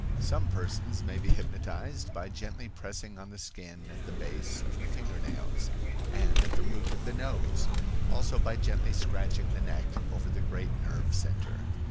Some persons may be hypnotized by gently pressing on the skin at the base of the finger nails, and at the root of the nose; also by gently scratching the neck over the great nerve center.